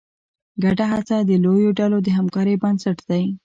ګډه هڅه د لویو ډلو د همکارۍ بنسټ دی.